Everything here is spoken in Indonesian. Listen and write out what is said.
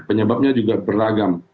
penyebabnya juga beragam